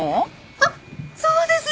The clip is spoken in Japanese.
あっそうです！